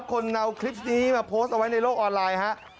คนเอาคลิปนี้มาโพสต์เอาไว้ในโลกออนไลน์ฮะ